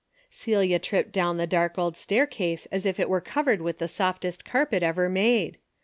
Celia tripped down the dark old stair case as if it were covered with the softest car pet ever made.